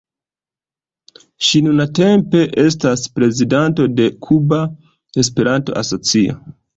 Ŝi nuntempe estas prezidanto de Kuba Esperanto-Asocio.